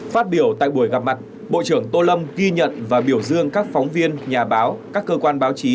phát biểu tại buổi gặp mặt bộ trưởng tô lâm ghi nhận và biểu dương các phóng viên nhà báo các cơ quan báo chí